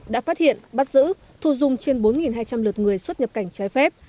đã phát hiện bắt giữ thu dung trên bốn hai trăm linh lượt người xuất nhập cảnh trái phép